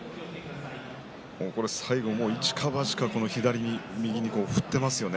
最後、一か八か左に右に振っていますよね。